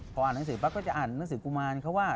พออ่านหนังสือปั๊บก็จะอ่านหนังสือกุมารเขาว่า